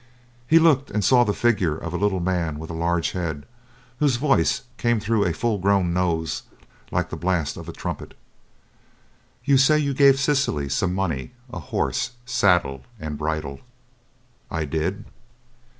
He looked and saw the figure of a little man with a large head, whose voice came through a full grown nose like the blast of a trumpet. "You say you gave Cecily some money, a horse, saddle, and bridle?" "I did."